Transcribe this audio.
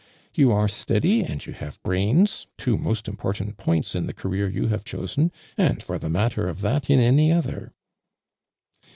You arc steady and you have brains, two most important ]toints in the career you have chosen, and for the matter of that in any other."